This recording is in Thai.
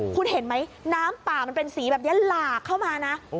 คุณเห็นไหมน้ำป่ามันเป็นสีแบบนี้หลากเข้ามานะ